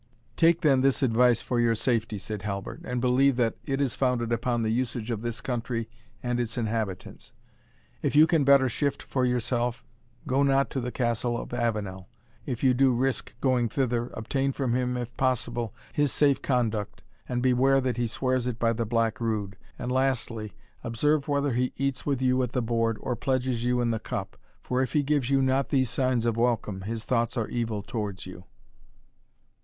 "Take then this advice for your safety," said Halbert, "and believe that it is founded upon the usage of this country and its inhabitants. If you can better shift for yourself, go not to the Castle of Avenel if you do risk going thither, obtain from him, if possible, his safe conduct, and beware that he swears it by the Black Rood And lastly, observe whether he eats with you at the board, or pledges you in the cup; for if he gives you not these signs of welcome, his thoughts are evil towards you."